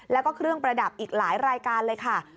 แล้วก็เครื่องประดับอีกหลายรายการเลยค่ะ